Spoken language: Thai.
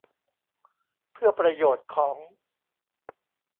เพื่อประโยชน์ของ